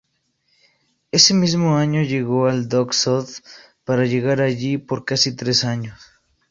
Ese mismo año llegó al Dock Sud para jugar allí por casi tres años.